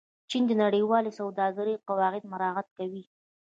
چین د نړیوالې سوداګرۍ قواعد مراعت کوي.